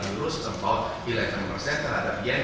eur about sebelas terhadap yen